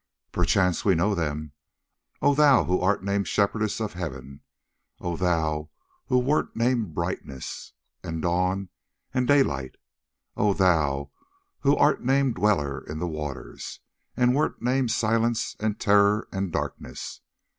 "Perchance we know them, O thou who art named Shepherdess of Heaven, O thou who wert named Brightness, and Dawn, and Daylight; O thou who art named Dweller in the Waters, and wert named Silence, and Terror, and Darkness!